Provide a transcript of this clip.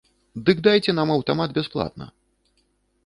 Дык дайце нам аўтамат бясплатна.